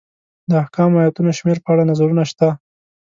د احکامو ایتونو شمېر په اړه نظرونه شته.